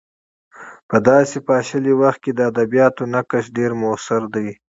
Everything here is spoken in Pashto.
په داسې پاشلي وخت کې د ادبیاتو نقش ډېر موثر دی.